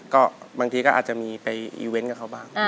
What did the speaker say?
ก็บางทีก็อาจจะมีไปอีเวนต์กับเขาบ้าง